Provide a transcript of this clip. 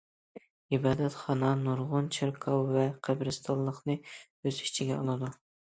ئىبادەتخانا نۇرغۇن چېركاۋ ۋە قەبرىستانلىقنى ئۆز ئىچىگە ئالىدۇ.